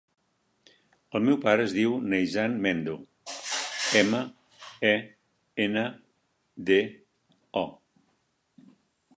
El meu pare es diu Neizan Mendo: ema, e, ena, de, o.